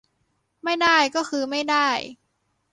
ไม่ได้ก็คือไม่ได้